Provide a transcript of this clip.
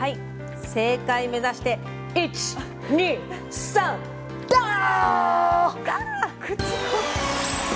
正解目指して１、２、３、ダー！